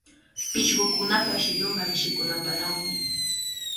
Pishqukunapa shillunqa mishikunapanawmi.